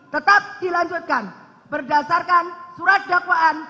tetap dilanjutkan berdasarkan surat dakwaan